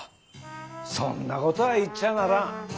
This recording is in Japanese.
そんなことは言っちゃならん。